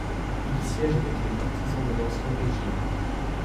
Il siège avec les partisans de l'Ancien Régime.